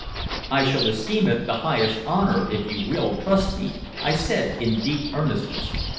"I shall esteem it the highest honor if you will trust me," I said in deep earnestness.